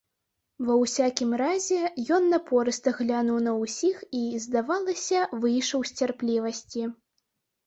Ва ўсякім разе, ён напорыста глянуў на ўсіх і, здавалася, выйшаў з цярплівасці.